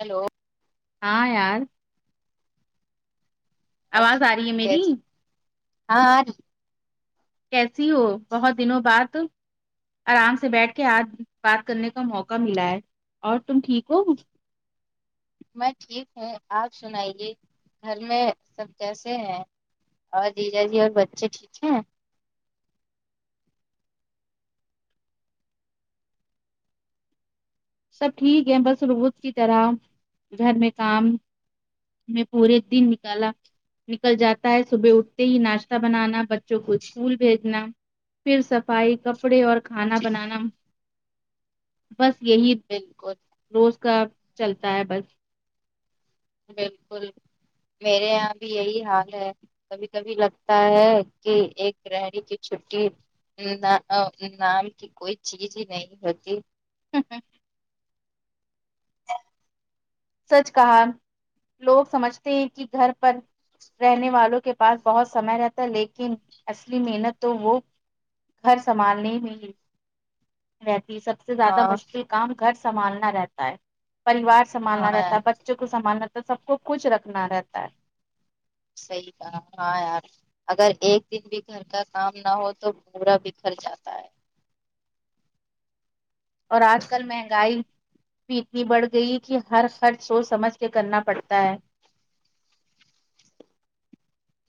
hello ہاں یار آواز آ رہی ہے میری [unintelligible] کیسی ہو بہت دنوں بعد آرام سے بیٹھ کے آج بات کرنے کا موقع ملا ہے اور تم ٹھیک ہو میں ٹھیک ہوں آپ سنائیے گھر میں سب کیسے ہیں اور جی جاجی اور بچے ٹھیک ہیں سب ٹھیک ہے بس روز کی طرح گھر میں کام میں پورے دن نکالا نکل جاتا ہے صبح اٹھتے ہی ناشتہ بنانا بچوں کو اسکول بھیجنا پھر صفائی کپڑے اور کھانا بنانا بس یہی بالکل روز کا چلتا ہے بس بالکل میرے یہاں بھی یہی حال ہے کبھی کبھی لگتا ہے کہ ایک رہ ری تھی چھٹی نام کی کوئی چیز ہی نہیں ہوتی [unintelligible] سچ کہاں لوگ سمجھتے ہیں کہ گھر پر رہنے والوں کے پاس بہت سمے رہتا تھا لیکن اصلی محنت تو وہ گھر سنبھالنے میں رہتی سب سے زیادہ ہاں مشکل کام گھر سنبھالنا رہتا ہے پریوار ہاں سنبھالنا رہتا ہے یار بچوں کو سامانا رہتا ہے سب کو کچھ رکھنا رہتا ہے سحی کہا ہاں یار اگر ایک دن بھی گھر کا کام نہ ہو تو پورا دن نکل جاتا ہے اور آج کل مہنگائی اتنی بڑھ گئی کہ ہر خرچ سوچ سمجھ کے کرنا پڑتا ہے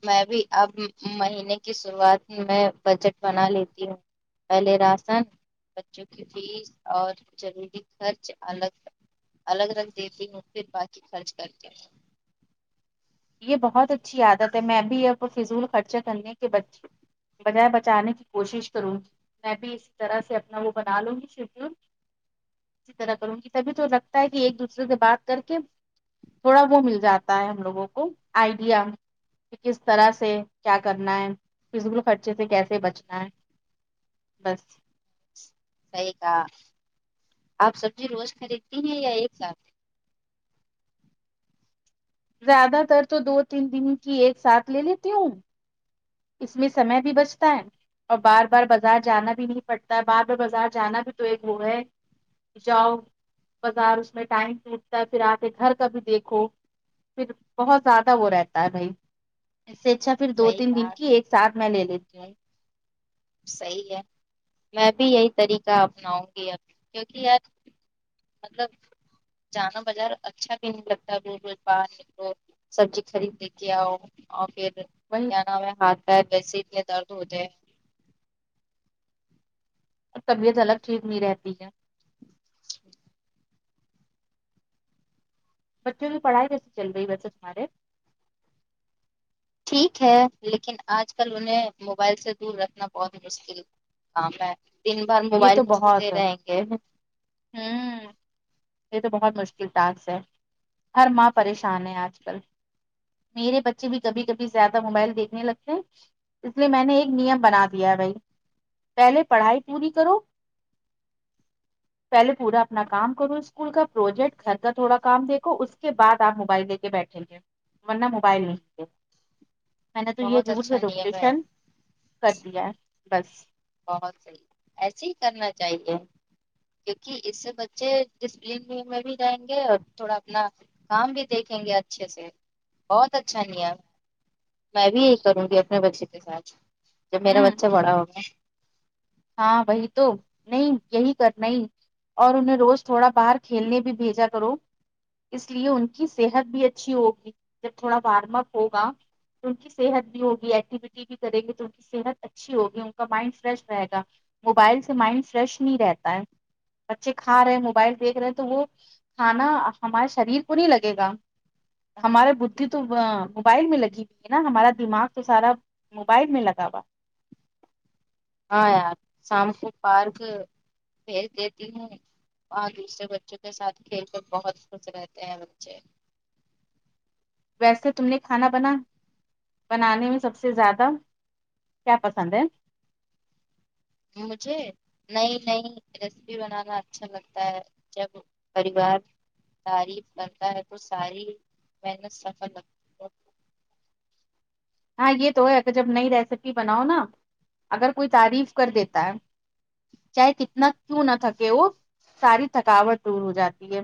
میں بھی اب مہینے کی شروعات میں بجٹ بنا لیتی ہوں پہلے راشن بچوں کی فیس اور ضروری خرچ الگ الگ الگ دیتی ہوں پھر باقی خرچ کر کے یہ بہت اچھی عادت ہے میں بھی یہ فضول خرچہ کرنے کے بچ بجائے بچانے کی کوشش کروں گی میں بھی اسی طرح سے اپنا وہ بنا لوں گی شو اسی طرح کروں گی تبھی تو لگتا ہے کہ ایک دوسرے سے بات کر کے تھوڑا وہ مل جاتا ہے ہم لوگوں کو آئیڈیا کہ کس طرح سے کیا کرنا ہے فضول خرچی خرچی سے کیسے بچنا ہے بس صحیح کہا آپ سبزی روز خریدتی ہیں یا ایک ساتھ زیادہ تر تو دو تین دن کی ایک ساتھ لے لیتی ہوں اس میں سمے بھی بچتا ہے اور بار بار بازار جانا بھی نہیں پڑتا بار بار بازار جانا بھی تو ایک وہ ہے جاؤ بازار اس میں ٹائم پہچتا ہے پھر آ کے گھر کا بھی دیکھو پھر بہت زیادہ وہ رہتا ہے بھائی اس سے اچھا پھر دو صحیح تین دن کہا کی ایک ساتھ میں لے لیتی ہوں صحیح ہے میں بھی یہی طریقہ اپناؤں گی اب کیونکہ اج مطلب جانا بازار اچھا بھی نہیں لگتا روز باہر نکلو سبزی خرید لے کے آؤ اور پھر وہی کیا نا ہمیں ہاتھ پیر ویسے میں درد ہوتے ہیں اور طبیعت الگ ٹھیک نہیں رہتی ہے بچوں کی پڑھائی کیسی چل رہی ویسے تمہارے ٹھیک ہے لیکن آج کل انہیں موبائل سے دور رکھنا بہت مشکل کام ہے دن بھر یہ موبائل تو میں بہت گھسے ہوں رہیں گے یہ تو بہت مشکل ٹاسک ہے ہر ماں پریشان ہے آج کل میرے بچے بھی کبھی کبھی زیادہ موبائل دیکھنے لگتے ہیں اس لیے میں نے ایک نیم بنا دیا ہے بھائی پہلے پڑھائی پوری کروں پہلے پورا اپنا کام کرو اس کول کا پروجیکٹ گھر کا تھوڑا کام دیکھو اس کے بعد آپ موبائل لے کے بیٹھیں گے ورنہ موبائل نہیں میں نے تو یہ بہت رول اچھا نیم ہے ریگولیشن کر دیا ہے بس بہت صحیح ایسے ہی کرنا چاہیے کیونکہ اس سے بچے ڈسپلین میں بھی جائیں گے اور تھوڑا اپنا کام بھی دیکھیں گے اچھے سے بہت اچھا نیا میں بھی یہی کروں گی اپنے بچے کے ساتھ جب میرا ہوں بچہ بڑا ہو ہاں وہی تو نہیں یہی کرنا ہی اور انہیں روز تھوڑا باہر کھیلنے بھی بھیجا کرو اس لیے ان کی صحت بھی اچھی ہوگی جب تھوڑا وارم اپ ہوگا ان کی صحت بھی ہوگی ایکٹیویٹی بھی کریں گے تو ان کی صحت اچھی ہوگی ان کا مائنڈ فریش رہے گا موبائل سے مائنڈ فریش نہیں رہتا ہے بچے کھا رہے ہیں موبائل دیکھ رہے ہیں تو وہ کھانا ہمارے شریر کو نہیں لگے گا ہمارے بدھھی تو موبائل میں لگی ہوئی ہے نا ہمارا دماغ تو سارا موبائل میں لگا ہوا ہاں یار شام کو پارک بھیج دیتی ہوں اور دوسرے بچوں کے ساتھ کھیل کر بہت خوش رہتے ہیں بچے ویسے تم نے کھانا بنا بنانے میں سب سے زیادہ کیا پسند ہے مجھے نئی نئی ریسیپی بنانا اچھا لگتا ہے جب پریوار تعریف کرتا ہے تو ساری محنت سفل رکھ ہاں یہ تو ہے کہ جب نئی ریسیپی بناؤ نا اگر کوئی تعریف کر دیتا ہے چاہے کتنا کیوں نہ تھکے وہ ساری تھکاوٹ دور ہو جاتی ہے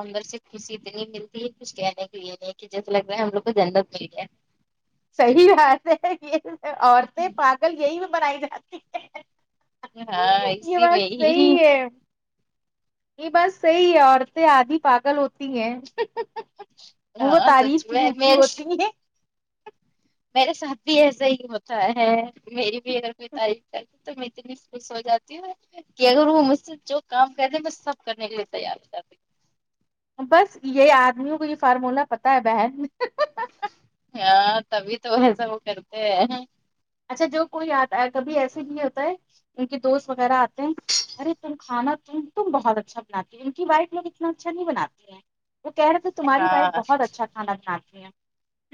عمبر سے خوشی اتنی ملتی ہے کچھ کہنے کی یہ نہیں کہ جیسے لگ ہے ہم لوگ تو گنداپ مل گیا ہے صحیح بات ہے یہ عورتیں پاگل یہی بھی بنائی جاتی ہیں ہاں یہ اسی بات میں ہی صحیح ہے یہ بات صحی ہے عورتیں آدھی پاگل ہوتی ہیں وہ ہاں تعریف سچ کی میں بھوکی میرے ہوتی ہے میرے ساتھ بھی ایسا ہی ہوتا ہے میری بھی اگر کوئی تعریف کرے تو میں اتنی خوش ہو جاتی ہوں کے اگر وہ مجھ سے جو کام کرتے میں سب کرنے کے لیے تیار ہو جاٹی ہوں بس یہ آدمیوں کو یہ فارمولا پتا ہے بہن ہاں تبھی تو ایسا وہ کرتے ہیں اچھا جو کوئی آتا کبھی ایسے بھی ہوتا ہے ان کے دوست وغیرہ آتے ہیں ارے تم کھانا ت تم بہت اچھا بناتی ہے ان کی وائف لوگ اتنا اچھا نہیں بناتی ہیں وہ کہہ رہے تھے تمہاری وائف ہاں بہت اچھا کھانا بناتی ہیں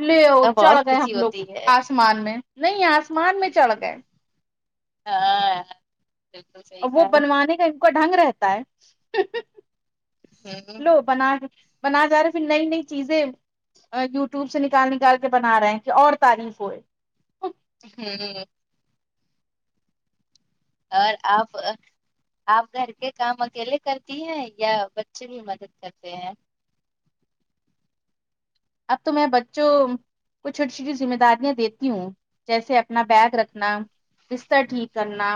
لیو تب اور چڑھ گئے خوشی ہم لوگ ہوتی ہے آسمان میں نہیں آسمان میں چڑھ گئے ہاں بالکل صحیح اب وہ کہا بنوانے کا ان کا ڈھنگ رہتا ہے ہوں لو بنا بنا جا رہا فر نئی نئی چیزیں یوٹیوب سے نکال نکال کے بنا رہے ہیں کہ اور تعریف ہوئے ہوں اور آپ آپ گھر کے کام اکیلے کرتی ہیں یا بچے بھی مدد کرتے ہیں اب تو میں بچوں کو چھوٹی چھوٹی ذمہ داریاں دیتی ہوں جیسے اپنا بیگ رکھنا بستر ٹھیک کرنا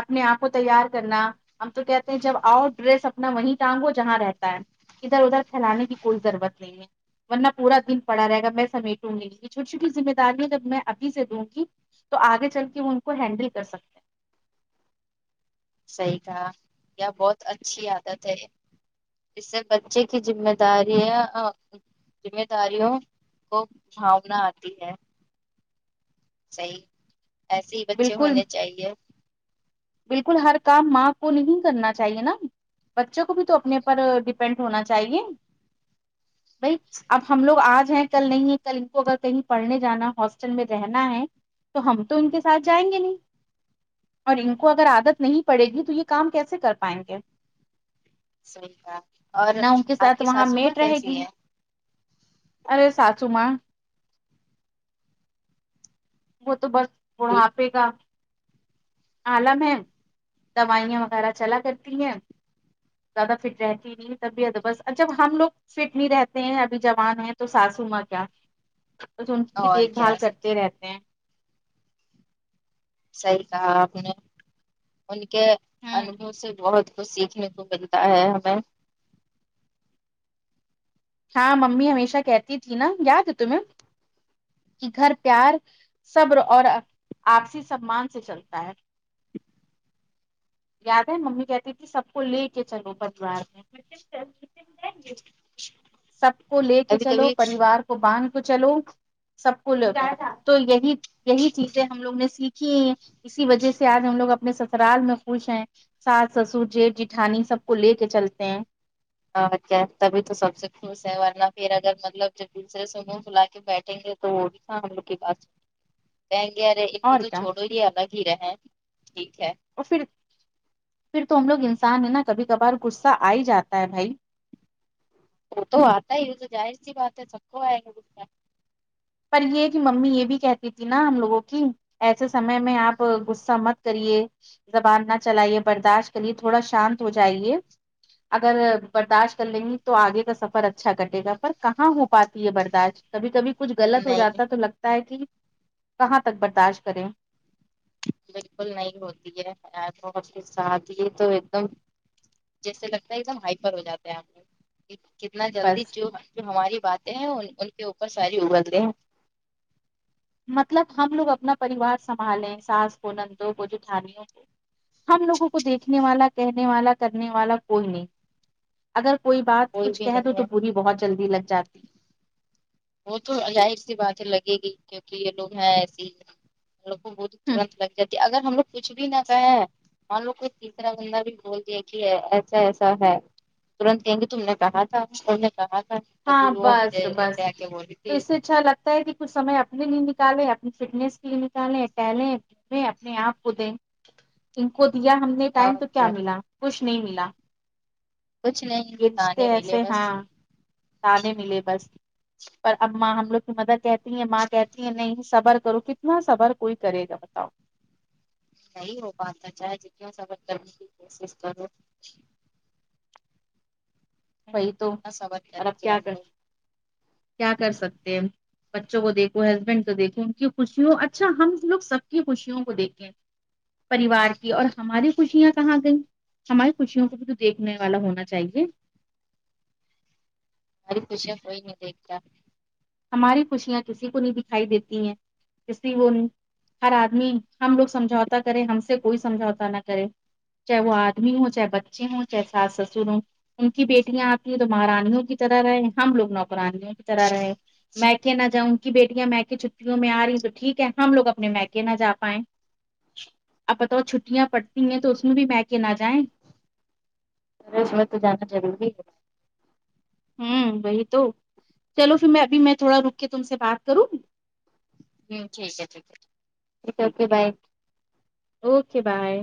اپنے آپ کو تیار کرنا ہم تو کہتے ہیں جب آؤ ڈریس اپنا وہیں ٹانگو جہاں رہتا ہے ادھر ادھر پھیلانے کی کوئی ضرورت نہیں ہے ورنہ پورا دن پڑا رہے گا میں سمیٹوں گی نہیں چھوٹی چھو ٹی ذمہ داریاں ہے جب میں ابھی سے دوں گی تو آگے چل کے ان کو ہینڈل کر سکتے ہیں صحیح کہا یہ بہت اچھی عادت ہے اس سے بچے کی ذمے داریاں ا ذمہ داریوں کو بھاونا آتی ہے صحیح ایسے ہی بچے بالکل ہونے چاہیے بالکل ہر کام ماں کو نہیں کرنا چاہیے نا بچوں کو بھی تو اپنے پر ڈیپینڈ ہونا چاہیے بھائی اب ہم لوگ آج ہیں کل نہیں ہے کل ان کو اگر کہیں پڑھنے جانا ہاسٹل میں رہنا ہے تو ہم تو ان کے ساتھ جائیں گے نہیں اور ان کو اگر عادت نہیں پڑے گی تو یہ کام کیسے کر پائیں گے صحیح ہے اور نہ ان کے آپ ساتھ کی وہاں ساسوماں میٹ رہے کیسی گی ہے ارے ساسوماں وہ تو بس ٹھیک، بڑھاپے کا عالم ہے دوائیاں وغیرہ چلا کرتی ہیں زیادہ فٹ رہتی طبیعت بس جب ہم لوگ فٹ نہیں رہتے ہیں ابھی جوان ہیں تو ساسوما ں کیا بس ان کی بھی اور دیکھ کیا بھال کرتے رہتے ہیں صحیح کہا آپ نے ان کے ہ انبھو سے بہت کچھ سیکھنے کو ملتا ہے ہمیں ہاں ممی ہمیشہ کہتی تھی نا یاد ہے تمہیں کہ گھر پیار صبر اور آپسی سممان سے چلتا ہے یاد ہے ممی کہتی تھی سب کو لے کے چلو پریوار میں سب کو لے کے کبھی چلو کبھی پریوار کو باندھ کو چلو سب کو ل تو یہی یہی چیزیں ہم لوگ نے سیکھیں ہیں اسی وجہ سے آج ہم لوگ اپنے سسرال میں خوش ہیں ساس سسر جیٹ جیٹھانی سب کو لے کے چلتے ہیں کیا تبھی تو سب سے خوش ہے ورنہ پھر اگر مطلب جب دوسرے سے منہ فلا کے بیٹھیں گے [unintelligible] کہیں گے ارے ان کو اور تو کیا چھوڑو ہی الگ ہی رہیں ٹھیک ہے اور فر پھر تو ہم لوگ انسان ہے نا کبھی کبھار غصہ آ ہی جاتا ہے بھائی وہ تو آتا ہی ا تو جاہر سی بات ہے سب کوآتا ہے غصہ پر یہ کہ ممی یہ بھی کہتی تھی نا ہم لوگوں کی ایسے سمے میں آپ غصہ مت کریے زبان نہ چلائیے برداشت کریے تھوڑا شانت ہو جائیے اگر برداشت کر لیں گی تو آگے کا سفر اچھا کٹے گا پر کہاں ہو پاتی ہے برداشت کبھی کبھی کچھ غلط ہو نہیں جاتا ہے تو لگتا ہے کہ کہاں تک برداشت کریں بالکل نہیں ہوتی ہے بت کے ساتھ ہی تو ایک دم جیسے لگتا ہے ایک دم ہائپر ہو جاتا ہے آپ کو کتنا جلدی بس جو جو ہماری باتیں ہیں ان کے اوپر ساری اگلتےیں ہیں مطلب ہم لوگ اپنا پریوار سنبھالیں ساس کو نندوں کو جوٹھالوں کو ہم لوگوں کو دیکھنے والا کہنے والا کرنے والا کوئی نہیں اگر کوئی بات کوئی کچھ بھی کہہ دو نہیں تو ہے بوری بہت جلدی لگ جاتی وہ تو ظاہر سی بات ہے لگے گی کیونکہ یہ لوگ ہیں ایسی ہی ہملوگ کو بہت ہے ترنت لگ جات ہے اگر ہم لوگ کچھ بھی نہ کہیں ہم لوگ کو تیسرا بندہ بھی بول دیا کہ ایسا ایسا ہے ترنت کہیں گے تم نے کہا تھا اور نے کہا تھا ہاں تبھی وہ ہم بس سے بس ایسے آ کے بولی تو تھی اس سے اچھا لگتا کچھ سے اپنے لیے نکالیں اپنی فٹنیس کے لیے نکالیں ٹیلنٹ میں اپنے آپ کو دے ان کو دیا ہم نے ٹائم تو کیا ملا کچھ نہیں ملا کچھ نہیں یہ رشتے تانے ایسے ملے ہاں بس تانے ملے بس پر اب ماں ہم لوگ کی مدر کہتی ہیں ماں کہتی ہیں نہیں صبر کرو کتنا صبر کوئی کرے گا بتاؤ نہیں ہو پاتا ہے چاہے جتنے صبر کرنے کی کوشش کرو وہی تو اتنا صبر پر کریں اب گے کیا ہم کر لوگ کیا کر سکتے ہیں بچوں کو دیکھو ہسبینڈ کو دیکھو ان کی خوشیوں اچھا ہم لوگ سب کی خوشیوں کو دیکھیں پریوار کی اور ہماری خوشیاں کہاں گئیں ہماری خوشیوں کو بھی تو دیکھنے والا ہونا چاہیے ہماری خوشیاں کوئی نہیں دیکھتا ہماری خوشیاں کسی کو نہیں دکھائی دیتی ہیں اسے وہ ہر آدمی ہم لوگ سمجھوتا کرے ہم سے کوئی سمجھوتا نہ کرے چاہے وہ آدمی ہوں چاہے بچے ہوں چاہے سس سسر ہوں ان کی بیٹیاں آتی ہیں تو مہارانیوں کی طرح رہے ہم لوگ نوکرانیوں طرح رہے ہیں میکے ںا جاو انکی بٹیاں میکے چھٹیوں میں آ رہی ہے تو ٹھیک ہے ہم لگ اپنے میکے نہ جا پائیں اب بتاو چھٹیا پڑھتی ہیں تو اسمے بھی میکے نہ جائیں ارے اس میں تو جانا ضروری ہے ہوں وہی تو چلو پھر میں ابھی میں تھوڑا رک کے تم سے بات کروں ہوں ٹھیک ہے ٹھیک ہے ٹھیک ہے اوکے بائے اوکے بائے